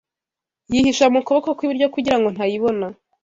Yihisha mu kuboko kw’iburyo kugira ngo ntayibona